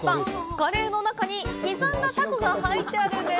カレーの中に刻んだタコが入っているんです。